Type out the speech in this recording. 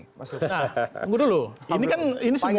nah tunggu dulu ini kan ini semuanya